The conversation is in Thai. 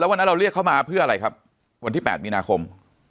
วันนั้นเราเรียกเขามาเพื่ออะไรครับวันที่๘มีนาคม